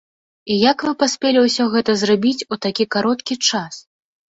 І як вы паспелі ўсё гэта зрабіць у такі кароткі час?